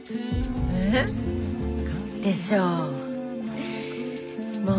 えぇ？でしょう？